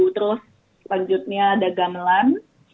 terus selanjutnya ada gamelan